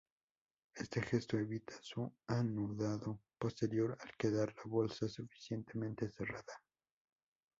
Este gesto evita su anudado posterior al quedar la bolsa suficientemente cerrada.